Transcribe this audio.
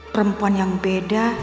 perempuan yang beda